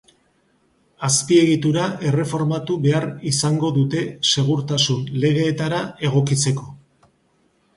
Azpiegitura erreformatu behar izango dute segurtasun legeetara egokitzeko.